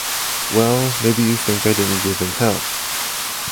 Well, maybe you think I didn't give him hell!